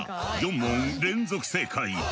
４問連続正解。